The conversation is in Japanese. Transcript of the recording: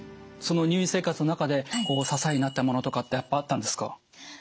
その入院生活の中で支えになったものとかってやっぱりあったんですか？